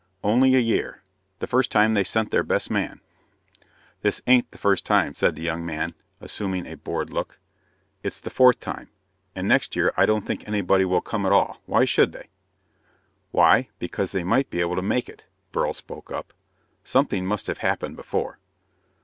"Only a year. The first time they sent their best man." "This ain't the first time," said the young man, assuming a bored look. "It's the fourth time, and next year I don't think anybody will come at all. Why should they?" "Why, because they might be able to make it," Beryl spoke up. "Something must have happened before."